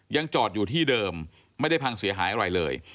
ยังจอดอยู่ที่เดิมไม่ได้พังเสียหายอะไรเลย